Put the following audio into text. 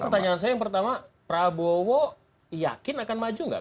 pertanyaan saya yang pertama prabowo yakin akan maju nggak